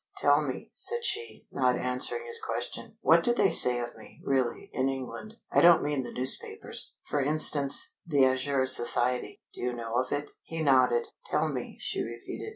"Tell me," said she, not answering his question. "What do they say of me, really, in England? I don't mean the newspapers. For instance, the Azure Society. Do you know of it?" He nodded. "Tell me," she repeated.